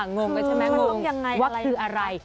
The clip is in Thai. งงกันใช่ไหมว่าคืออะไร